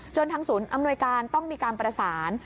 ทางศูนย์อำนวยการต้องมีการประสาน